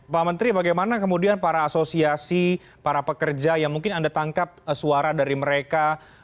pak menteri bagaimana kemudian para asosiasi para pekerja yang mungkin anda tangkap suara dari mereka